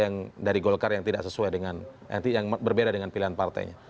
ada politisi muda dari golkar yang tidak sesuai dengan yang berbeda dengan pilihan partainya